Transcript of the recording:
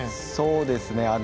そうですね。